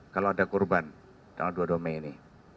kalau ada korban tanggal dua puluh dua mei ini